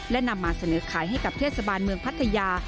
และนำมาเสนอขายให้กับเทศบาลเมืองพัทยา